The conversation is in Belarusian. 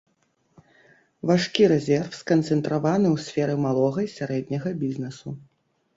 Важкі рэзерв сканцэнтраваны ў сферы малога і сярэдняга бізнэсу.